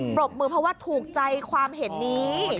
ปรบมือเพราะว่าถูกใจความเห็นนี้